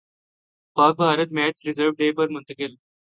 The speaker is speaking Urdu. پاک بھارت میچ ریزرو ڈے پر منتقل